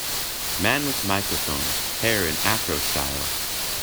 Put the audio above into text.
man with microphone, hair in afro style.